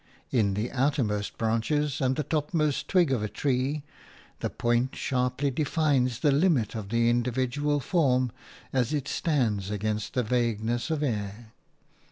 In the outermost branch and the topmost twig of a tree the point sharply defines the limit of the individual form as it stands against the vagueness of air.